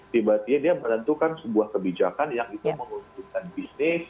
tiba tiba dia menentukan sebuah kebijakan yang itu menguntungkan bisnis